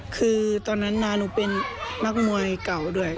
คือตอนนั้นน้าหนูเป็นนักมวยเก่าด้วย